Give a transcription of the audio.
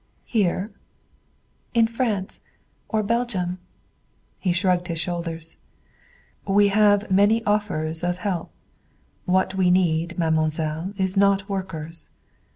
"Here?" "In France. Or Belgium." He shrugged his shoulders. "We have many offers of help. What we need, mademoiselle, is not workers.